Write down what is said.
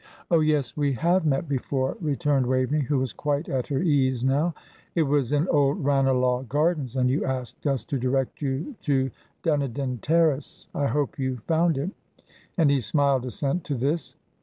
"Oh, yes, we have met before," returned Waveney, who was quite at her ease now. "It was in old Ranelagh Gardens, and you asked us to direct you to Dunedin Terrace. I hope you found it;" and he smiled assent to this.